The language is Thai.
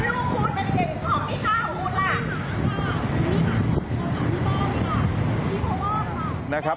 เฮ้ยว่าลูกคุณเป็นเด็กของพี่ข้าของคุณล่ะ